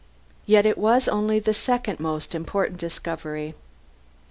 Yet it was only the second most important discovery.